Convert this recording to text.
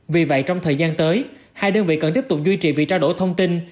vì vậy trong thời gian tới hai đơn vị cần tiếp tục duy trì việc trao đổi thông tin